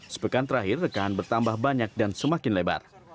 sepekan terakhir rekahan bertambah banyak dan semakin lebar